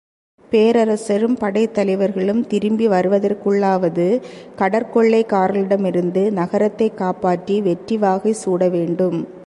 பேரரசரும் படைத்தலைவர்களும் திரும்பி வருவதற்குள்ளாவது கடற்கொள்ளைக்காரர்களிடமிருந்து நகரத்தைக் காப்பாற்றி வெற்றிவாகை சூட வேண்டும்.